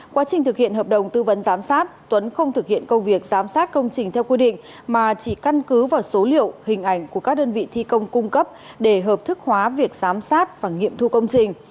quá trình thực hiện hợp đồng tư vấn giám sát tuấn không thực hiện công việc giám sát công trình theo quy định mà chỉ căn cứ vào số liệu hình ảnh của các đơn vị thi công cung cấp để hợp thức hóa việc giám sát và nghiệm thu công trình